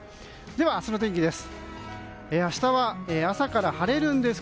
では、明日の天気です。